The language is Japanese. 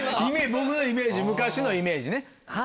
僕のイメージ昔のイメージね。